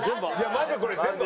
マジでこれ全部。